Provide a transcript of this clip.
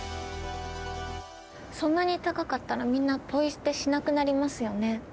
そんなに高かったらみんなポイ捨てしなくなりますよね。